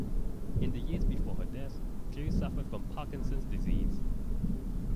In the years before her death, Joe suffered from Parkinson's disease.